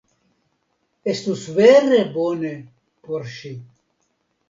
Estus vere bone por ŝi.